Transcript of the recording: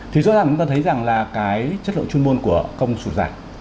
thì rõ ràng chúng ta thấy rằng là cái chất lượng chuyên môn của công sụt giảm